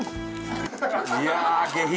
いや下品。